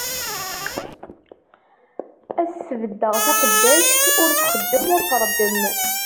Ad as-sbeddeɣ taqeddact, ur txeddem ur treddem.